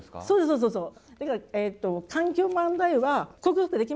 そうそうそう。